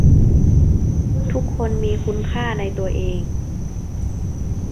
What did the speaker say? ทุกคนมีคุณค่าในตัวเอง